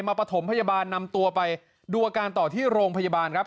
ปฐมพยาบาลนำตัวไปดูอาการต่อที่โรงพยาบาลครับ